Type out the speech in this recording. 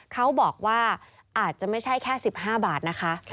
เขาบอกว่าอาจจะไม่ใช่แค่๑๕บาทนะคะ